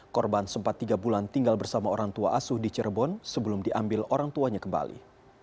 korban sempat tiga bulan tinggal bersama orang tua asuh di cirebon sebelum diambil orang tuanya kembali